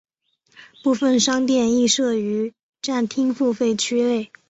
部分商店亦设于站厅付费区内。